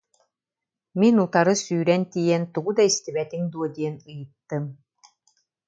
Мин утары сүүрэн тиийэн тугу да истибэтиҥ дуо диэн ыйыттым